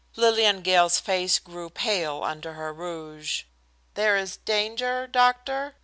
Lillian Gale's face grew pale under her rouge. "There is danger, doctor?"